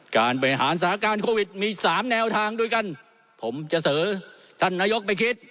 การบริหารสถานการณ์โควิดมีสามแนวทางด้วยกันผมจะเสอท่านนายกไม่คิด